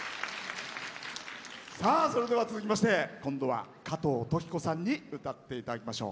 それでは、続きまして今度は加藤登紀子さんに歌っていただきましょう。